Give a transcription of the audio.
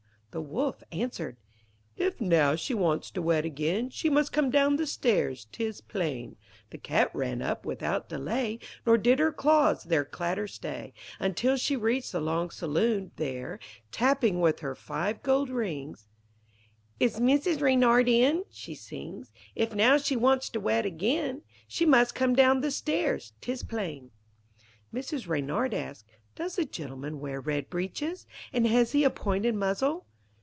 The Wolf answered '"If now she wants to wed again, She must come down the stairs, 'tis plain." The Cat ran up without delay, Nor did her claws their clatter stay Until she reached the long saloon. There, tapping with her five gold rings, "Is Mrs. Reynard in?" she sings. "If now she wants to wed again, She must come down the stairs, 'tis plain."' Mrs. Reynard asked: 'Does the gentleman wear red breeches, and has he a pointed muzzle?'